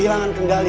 orang yang beim cum